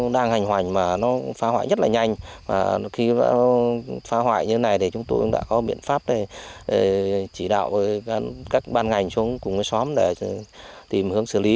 đang hành hoành mà nó phá hoại rất là nhanh và khi nó phá hoại như thế này thì chúng tôi cũng đã có biện pháp để chỉ đạo các ban ngành xuống cùng với xóm để tìm hướng xử lý